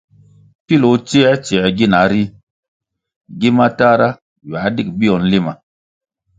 Pilʼ o tsiē tsiē gina ri, gi matahra ywā digʼ bio nlima.